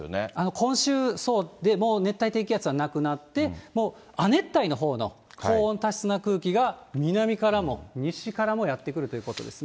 今週、熱帯低気圧はなくなって、もう亜熱帯のほうの高温多湿な空気が、南からも西からもやって来るということですね。